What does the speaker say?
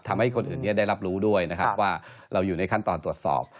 ทำให้คนอื่นได้รับรู้ด้วยนะครับว่าเราอยู่ในขั้นตอนตรวจสอบ